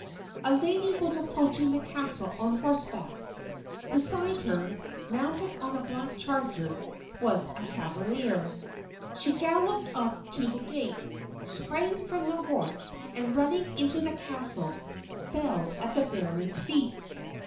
A lady was approaching the castle on horseback. Beside her, mounted on a black charger, was a cavalier. She galloped up to the gate, sprang from the horse, and running into the castle, fell at the baron's feet.